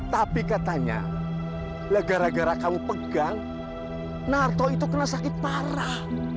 tapi katanya gara gara kamu pegang narto itu kena sakit parah